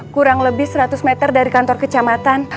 kurang lebih seratus meter dari kantor kecamatan